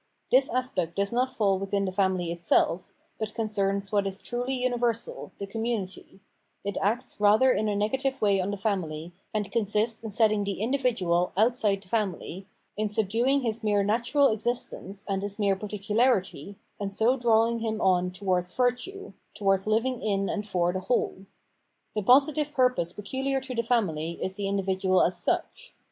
This aspect does not fall within the family itself, but concerns what is truly universal, the community ; it acts rather in a negative way on the family, and consists in setting the individual outside the family, in subduing 444 Phenomenology oj Mind his merely natural existence and his mere particularity and so drawing him on towards virtue, towards Uving in and for the whole. The positive purpose pecuHar to the family is th.e individual as such.